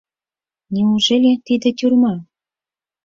— Неужели тиде тюрьма?»